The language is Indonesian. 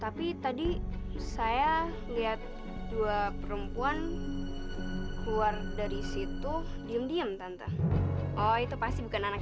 tapi tadi saya lihat dua perempuan keluar dari situ diem diem tante oh itu pasti bukan anak